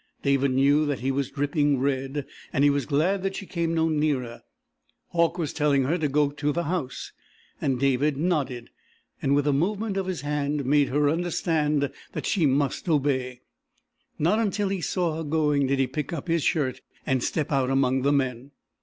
David knew that he was dripping red and he was glad that she came no nearer. Hauck was telling her to go to the house, and David nodded, and with a movement of his hand made her understand that she must obey. Not until he saw her going did he pick up his shirt and step out among the men.